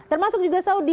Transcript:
termasuk juga saudi